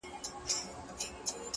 اوس چي مخ هرې خوا ته اړوم الله وينم-